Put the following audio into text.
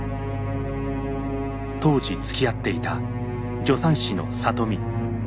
当時つきあっていた助産師の里美。